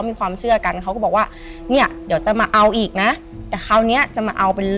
มีความเชื่อกันเขาก็บอกว่าเนี่ยเดี๋ยวจะมาเอาอีกนะแต่คราวนี้จะมาเอาเป็น